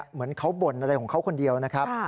เหมือนเขาบ่นอะไรของเขาคนเดียวนะครับ